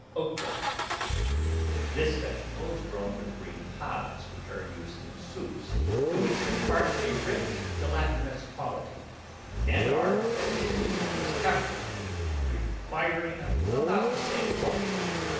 OKRA This vegetable is grown for the green pods which are used in soups, to which it imparts a rich gelat inous quality, and are as easily grown as peppers, requiring about the same culture.